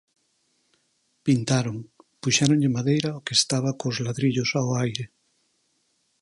Pintaron, puxéronlle madeira ao que estaba cos ladrillos ao aire.